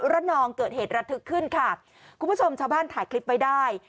ระนองเกิดเหตุระทึกขึ้นค่ะคุณผู้ชมชาวบ้านถ่ายคลิปไว้ได้